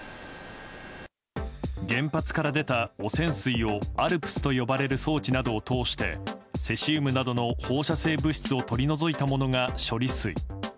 原発から出た汚染水をＡＬＰＳと呼ばれる装置などを通してセシウムなどの放射性物質を取り除いたものが処理水。